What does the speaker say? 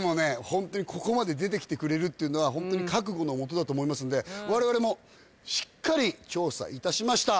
ホントにここまで出てきてくれるっていうのはホントに覚悟のもとだと思いますので我々もしっかり調査致しました。